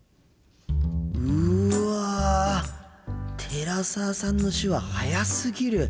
寺澤さんの手話速すぎる。